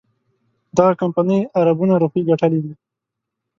دغه کمپنۍ اربونه روپۍ ګټلي دي.